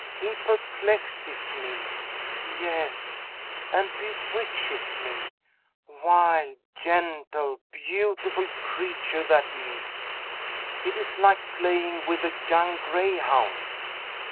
He perplexes me, yes, and bewitches me, wild, gentle, beautiful creature that he is! It is like playing with a young greyhound!"